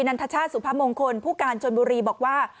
ันทชาติสุพมงคลผู้การชนบุรีบอกว่า